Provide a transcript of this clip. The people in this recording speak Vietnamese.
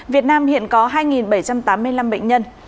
việt nam hiện có hai bảy trăm tám mươi năm bệnh nhân